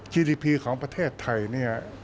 คีดีพีของประเทศไทย